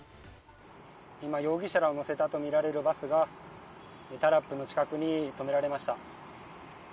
今、容疑者らを乗せたとみられるバスがタラップの近くに止められました。